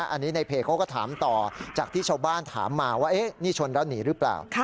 อันนี้ในเพจเขาก็ถามต่อจากที่ชาวบ้านถามมาว่านี่ชนแล้วหนีหรือเปล่า